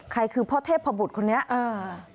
ใครคือพ่อเทพบุตรคนนี้อ่า